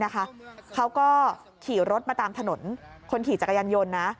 เขาก็ขี่รถมาตามถนนคนขี่จักรยานยนต์นะ